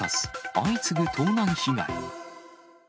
相次ぐ盗難被害。